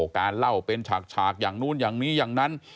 การเล่าเป็นฉากอย่างนู้นอย่างนี้อย่างนั้น